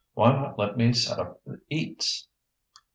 Why not let me set up the eats?"